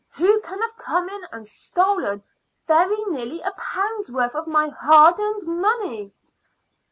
Who can have come in and stolen very nearly a pound's worth of my hard earned money?"